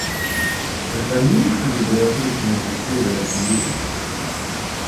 Сохранился ли бы разрыв между Севером и Югом?